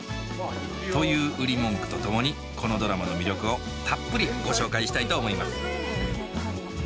という売り文句とともにこのドラマの魅力をたっぷりご紹介したいと思います